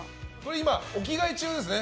今、お着替え中ですね。